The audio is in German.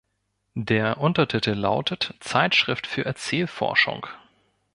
Der Untertitel lautet: "Zeitschrift für Erzählforschung.